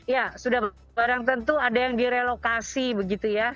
ya sudah barang tentu ada yang direlokasi begitu ya